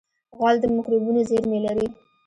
غول د مکروبونو زېرمې لري.